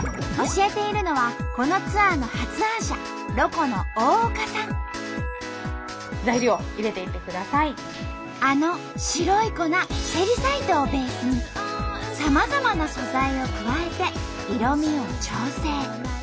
教えているのはこのツアーの発案者ロコのあの白い粉セリサイトをベースにさまざまな素材を加えて色みを調整。